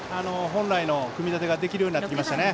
本来の組み立てができるようになりましたね。